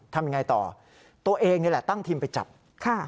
ทำยังไงต่อตัวเองนี่แหละตั้งทีมไปจับค่ะ